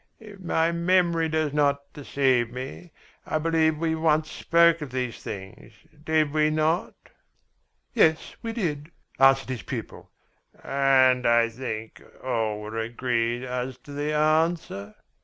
If my memory does not deceive me I believe we once spoke of these things, did we not?" "Yes, we did," answered his pupil. "And I think all were agreed as to the answer?"